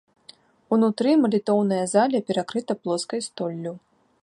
Унутры малітоўная зала перакрыта плоскай столлю.